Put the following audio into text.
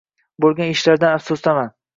Bo'lgan ishlardan afsusdaman.